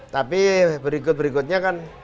tapi berikut berikutnya kan